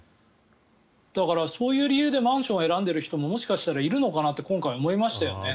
だから、そういう理由でマンションを選んでいる人ももしかしたらいるのかなって今回、思いましたよね。